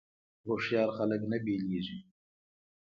خو هوښیار خلک نه بیلیږي.